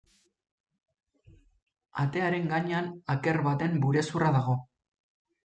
Atearen gainean aker baten burezurra dago.